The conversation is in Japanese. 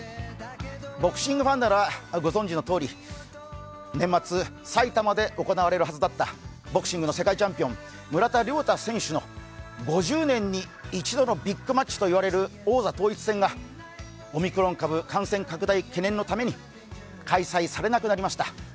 ボクシングファンならご存じのとおり年末、埼玉で行われるはずだったボクシングの世界チャンピオン、村田諒太選手の、５０年に１度のビッグマッチと言われる王座統一戦がオミクロン株感染拡大懸念のために開催されなくなりました。